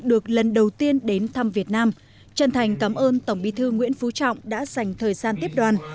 được lần đầu tiên đến thăm việt nam chân thành cảm ơn tổng bí thư nguyễn phú trọng đã dành thời gian tiếp đoàn